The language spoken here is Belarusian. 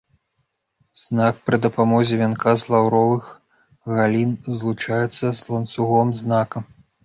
Знак пры дапамозе вянка з лаўровых галін злучаецца з ланцугом знака.